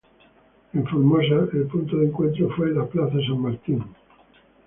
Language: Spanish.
En Formosa el punto de encuentro fue la Plaza San Martín.